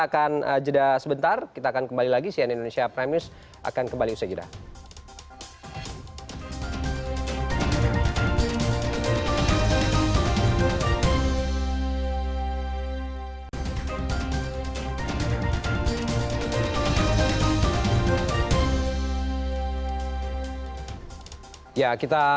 akan jeda sebentar kita akan kembali lagi si ani indonesia prime news akan kembali segera ya kita